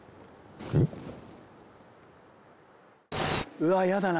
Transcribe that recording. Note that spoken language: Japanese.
うわやだな